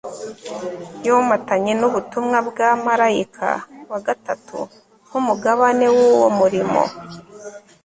yomatanye n'ubutumwa bwa marayika wa gatatu, nk'umugabane w'uwo murimo